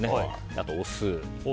あと、お酢。